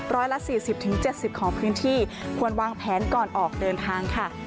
ร้อยละสี่สิบถึงเจ็ดสิบของพื้นที่ควรวางแพนก่อนออกเดินทางค่ะ